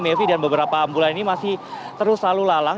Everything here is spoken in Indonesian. mevi dan beberapa ambulan ini masih terus lalu lalang